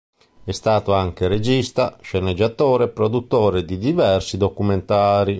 È stato anche regista, sceneggiatore e produttore di diversi documentari.